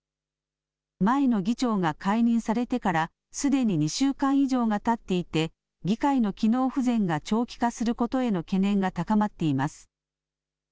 前の議長が解任されてからすでに２週間以上がたっていて議会の機能不全が長期化することへの懸念が高まっています。